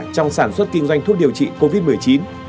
trong sản xuất kinh doanh thuốc điều trị covid một mươi chín